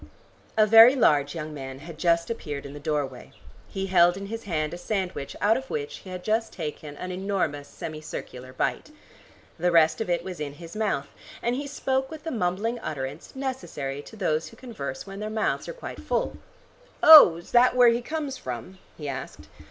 A very large young man had just appeared in the doorway. He held in his hand a sandwich out of which he had just taken an enormous semi circular bite. The rest of it was in his mouth, and he spoke with the mumbling utterance necessary to those who converse when their mouths are quite full. "Oh, is that where he comes from?" he asked.